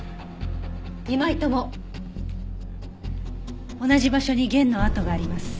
２枚とも同じ場所に弦の跡があります。